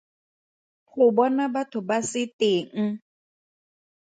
Go bona batho ba se teng.